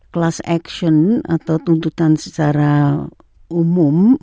kelas aksion atau tuntutan secara umum